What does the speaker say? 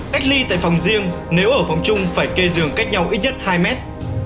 cách ly tại phòng riêng nếu ở phòng chung phải kê giường cách nhau ít nhất hai mét